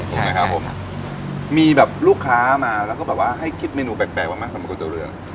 ถูกไหมครับผมมีแบบลูกค้ามาแล้วก็แบบว่าให้คิดเมนูแปลกบ้างไหมสำหรับก๋วเรือง